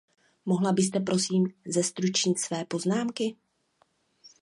Mohla byste prosím zestručnit své poznámky?